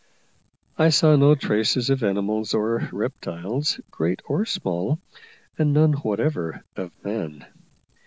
I saw no traces of animals or reptiles, great or small; and none whatever of man.